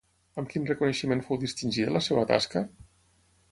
Amb quin reconeixement fou distingida la seva tasca?